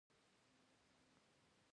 که موږ غواړو پښتانه